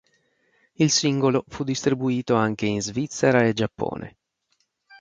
Il singolo fu distribuito anche in Svizzera e Giappone.